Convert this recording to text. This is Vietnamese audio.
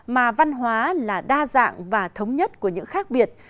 mà văn hóa là đa dạng và thống nhất của những khác biệt